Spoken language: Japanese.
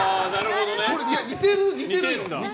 似てる、似てる！